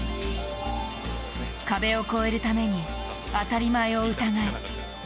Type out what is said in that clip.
壁を越えるために、当たり前を疑え。